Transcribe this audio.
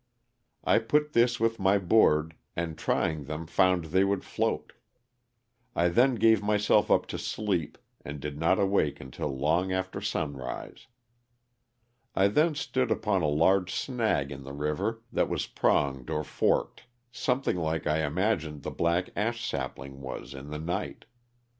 I put this with my board and trying them found they would float. I then gave myself up to sleep and did not awake until long after sunrise. I then stool upon a large snag in the river that was pronged or forked something like 1 imagined the black ash sapling was in the night.